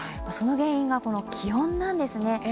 その原因がこの気温なんですね。